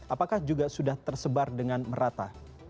apakah juga sudah tersebar dengan merata